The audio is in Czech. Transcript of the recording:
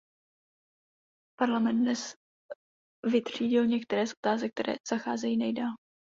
Parlament dnes vytřídil některé z otázek, které zacházejí nejdál.